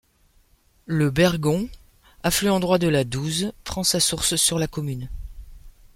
Le Bergon, affluent droit de la Douze, prend sa source sur la commune.